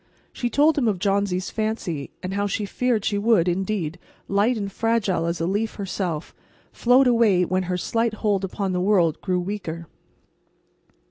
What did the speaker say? She told him of Johnsy's fancy, and how she feared she would, indeed, light and fragile as a leaf herself, float away when her slight hold upon the world grew weaker.